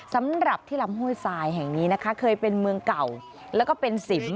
สำหรับที่ลำห้วยทรายแห่งนี้นะคะเคยเป็นเมืองเก่าแล้วก็เป็นสิม